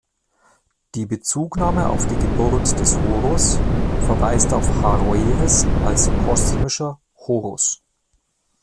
Die Bezugnahme auf die Geburt des Horus verweist auf Haroeris als "kosmischer Horus".